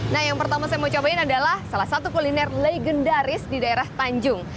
nah yang pertama saya mau cobain adalah salah satu kuliner legendaris di daerah tanjung